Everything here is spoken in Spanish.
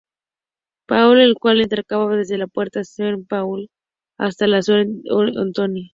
Paul, el cual abarcaba desde la Puerta Saint-Paul hasta la Rue Saint-Antoine.